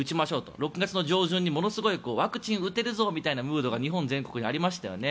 ６月の上旬にものすごくワクチンを打てるぞみたいなムードが日本全国にありましたよね。